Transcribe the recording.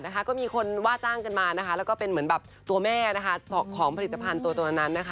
ค่ะก็มีคนว่าจ้างกันมาแล้วก็เป็นเหมือนแบบตัวแม่ของผลิตภัณฑ์ตัวนั้น